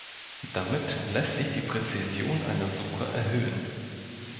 Damit lässt sich die Präzision einer Suche erhöhen.